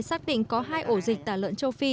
xác định có hai ổ dịch tả lợn châu phi